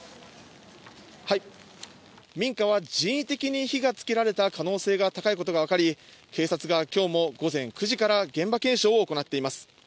民家は人為的に火がつけられた可能性が高いことがわかり、警察が今日も午前９時から現場検証を行っています。